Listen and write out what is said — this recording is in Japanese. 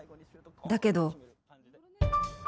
だけど。